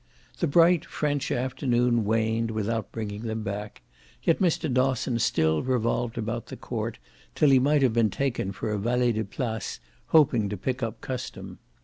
The bright French afternoon waned without bringing them back, yet Mr. Dosson still revolved about the court till he might have been taken for a valet de place hoping to pick up custom.